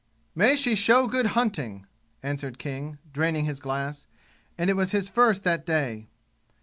"May she show good hunting!" answered King, draining his glass; and it was his first that day.